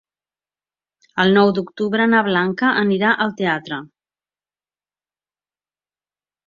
El nou d'octubre na Blanca anirà al teatre.